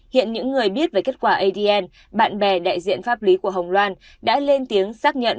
hiện những người biết về kết quả adn bạn bè đại diện pháp lý của hồng loan đã lên tiếng xác nhận